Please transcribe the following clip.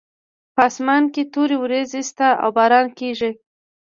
په اسمان کې تورې وریځې شته او باران کیږي